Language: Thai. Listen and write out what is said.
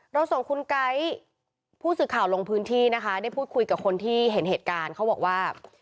เราส่งคุณไก๊ผู้สื่อข่าวลงพื้นที่นะคะได้พูดคุยกับคนที่เห็นเหตุการณ์เขาบอกว่า